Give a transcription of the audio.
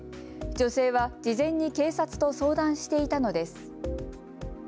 女性は事前に警察と相談していたのです。